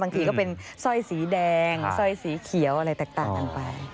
ก็เป็นสร้อยสีแดงสร้อยสีเขียวอะไรแตกต่างกันไป